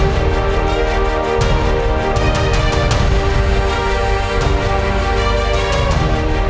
sekali lagi aku bilang kepadamu